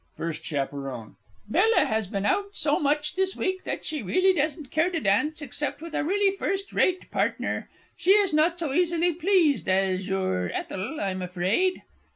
FIRST CH. Bella has been out so much this week, that she doesn't care to dance except with a really first rate partner. She is not so easily pleased as your Ethel, I'm afraid.